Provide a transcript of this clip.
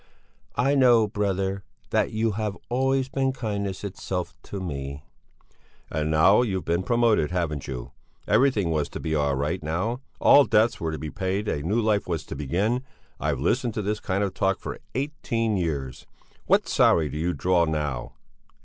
"I know, brother, that you have always been kindness itself to me." "And now you've been promoted, haven't you? Everything was to be all right now; all debts were to be paid and a new life was to begin. I've listened to this kind of talk for eighteen years. What salary do you draw now?"